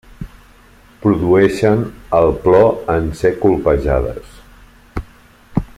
Produeixen el plor en ser colpejades.